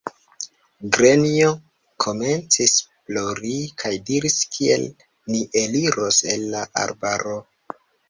Grenjo komencis plori kaj diris: Kiel ni eliros el la arbaro!